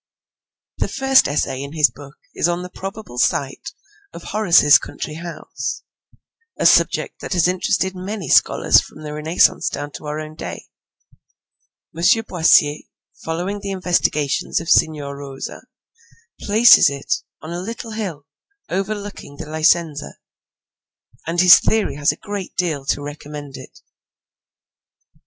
The first essay in his book is on the probable site of Horace's country house, a subject that has interested many scholars from the Renaissance down to our own day. M. Boissier, following the investigations of Signor Rosa, places it on a little hill over looking the Licenza, and his theory has a great deal to recommend it.